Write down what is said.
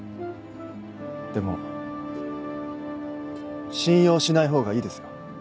でも信用しないほうがいいですよ。